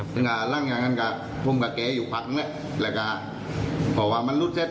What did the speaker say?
ซึ่งกับร่างอย่างนั้นก็พวกมันแก้อยู่ภักด์นั้นแล้วก็พอว่ามันรุ่นเสร็จ